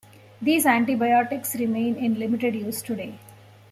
These antibiotics remain in limited use today.